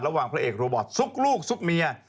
ระหว่างพระเอกโรบอตซุกลูกซุกเมีย